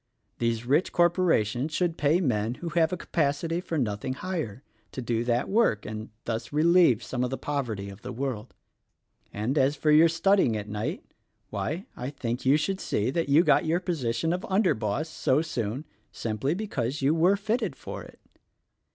These rich corporations should pay men who have a capacity for nothing higher, to do that work, and thus relieve some of the poverty of the world. And as for your studying at night ; why, I think you should see that you got your position of under boss so soon, simply because you were fitted for it."